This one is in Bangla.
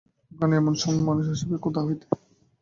ওখানে এমন সময় মানুষ আসিবে কোথা হইতে।